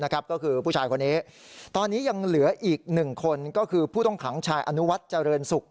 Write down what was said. ก็คือผู้ชายคนนี้ตอนนี้ยังเหลืออีก๑คนก็คือผู้ต้องขังชายอนุวัฒน์เจริญศุกร์